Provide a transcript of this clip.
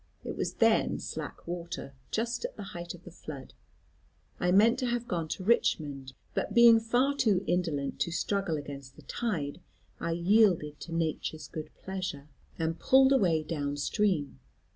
It was then slack water, just at the height of the flood. I meant to have gone to Richmond, but being far too indolent to struggle against the tide, I yielded to nature's good pleasure, and pulled away down stream.